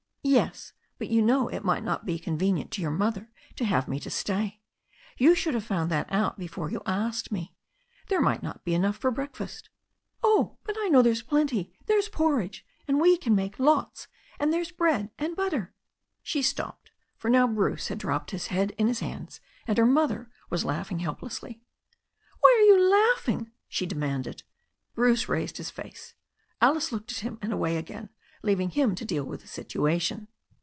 "Yes, but you know it might not be convenient to your mother to have me to stay. You should have found that out before you asked me. There might not be enough for breakfast." "Oh, but I know there's plenty. There's porridge — and we can make lots — and there's bread and butter " She stopped, for now Bruce had dropped his head in his hands, and her mother was laughing helplessly. "Why are you laughing?" she demanded. Bruce raised his face. Alice looked at him and away again, leaving him to deal with the situation.